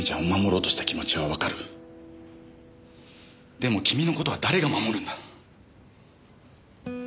でも君の事は誰が守るんだ！